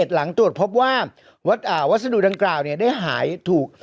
หลังตรวจพบว่าวัสดุดังกล่าวได้หายถูก